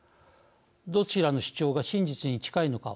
どちらの主張が真実に近いのか